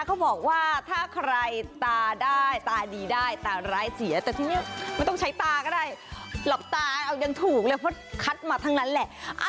เขาบอกว่าถ้าใครตาได้ตาดีได้ตาร้ายเสียแต่ทีนี้ไม่ต้องใช้ตาก็ได้หลับตาเอายังถูกเลยเพราะคัดมาทั้งนั้นแหละ